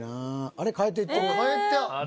あれ変えていってる。